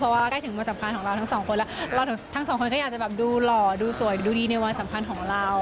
เพราะว่าใกล้ถึงวันสำคัญของเราทั้งสองคนแล้วทั้งสองคนก็อยากจะแบบดูหล่อดูสวยดูดีในวันสำคัญของเรา